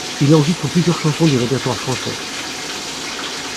Il enregistre plusieurs chansons du répertoire français.